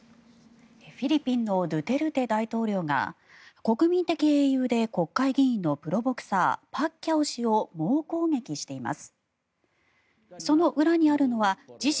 フィリピンのドゥテルテ大統領が国民的英雄で国会議員のプロボクサーパッキャオ氏を猛攻撃しています。